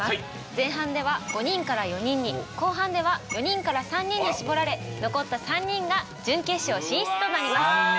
前半では５人から４人に後半では４人から３人に絞られ残った３人が準決勝進出となります。